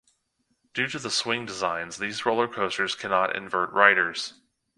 Due to the swing designs, these roller coasters cannot invert riders.